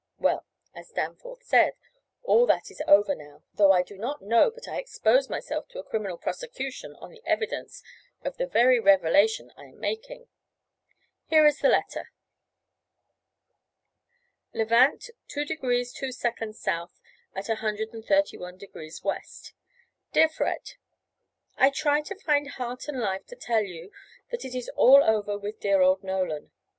Well, as Danforth says, all that is over now, though I do not know but I expose myself to a criminal prosecution on the evidence of the very revelation I am making. Here is the letter: LEVANT, 2° 2' S. at 131° W. DEAR FRED: I try to find heart and life to tell you that it is all over with dear old Nolan.